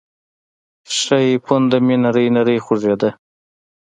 ښۍ پونده مې نرۍ نرۍ خوږېده.